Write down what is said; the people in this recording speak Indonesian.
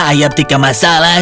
ayam tiga masalah